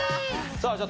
さあじゃあ